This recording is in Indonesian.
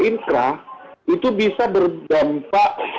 inkrah itu bisa berdampak